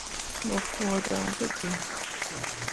Mo fõo dan pu jiŋ.